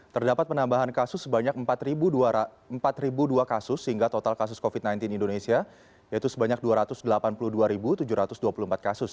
terdapat penambahan kasus sebanyak empat dua kasus sehingga total kasus covid sembilan belas indonesia yaitu sebanyak dua ratus delapan puluh dua tujuh ratus dua puluh empat kasus